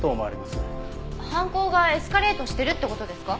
犯行がエスカレートしてるって事ですか？